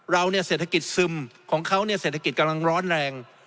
เราเนี่ยเศรษฐกิจซึมของเขาเนี่ยเศรษฐกิจกำลังร้อนแรง